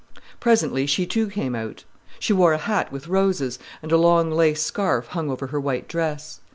Presently she too came out. She wore a hat with roses, and a long lace scarf hung over her white dress.